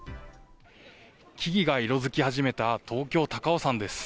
木々が色づき始めた東京・高尾山です。